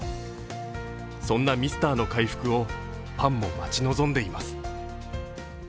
そんなミスターの回復をファンも待ち望んでいます。